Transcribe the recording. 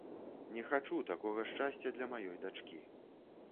Не хачу такога шчасця для маёй дачкі!